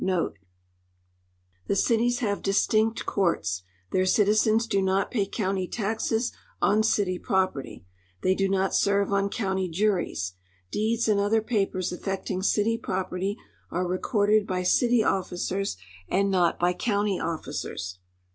* The cities have distinct courts. Their citizens do not pay county taxes on city property. They do not serve on county juries. Deeds and other papers affecting city property are re corded by city officers and not by county officers.